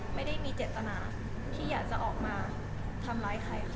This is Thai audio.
ไม่ได้มีเจตนาที่อยากจะออกมาทำร้ายใครค่ะ